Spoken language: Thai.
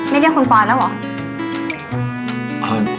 ไม่เรียกคุณปลอยแล้วเหรอ